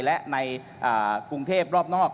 และในกรุงเทพรอบนอก